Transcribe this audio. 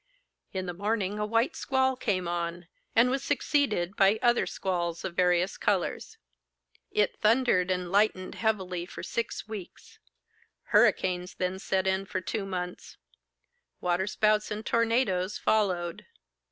In the morning a white squall came on, and was succeeded by other squalls of various colours. It thundered and lightened heavily for six weeks. Hurricanes then set in for two months. Waterspouts and tornadoes followed.